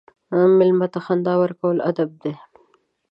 مېلمه ته خندا ورکول ادب دی.